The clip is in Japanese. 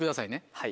はい。